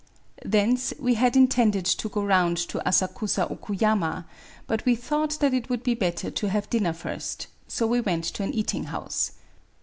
Thence we had intended to go round to Asakusa Okuyama ; but we thought that it would be better to have dinner first — so we went to an eating house.